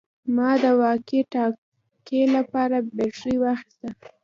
ما د واکي ټاکي لپاره بیټرۍ واخیستې